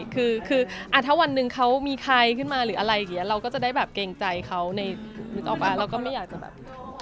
คือถ้าวันหนึ่งเขามีใครขึ้นมาหรืออะไรอย่างนี้เราก็จะได้แบบเกรงใจเขาในนึกออกป่ะเราก็ไม่อยากจะแบบ